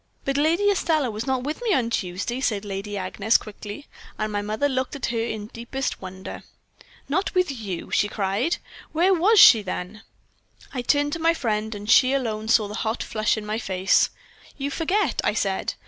"'But Lady Estelle was not with me on Tuesday,' said Lady Agnes, quickly. And my mother looked at her in deepest wonder. "'Not with you!' she cried. 'Where was she, then?' "I turned to my friend, and she alone saw the hot flush on my face. "'You forget,' I said.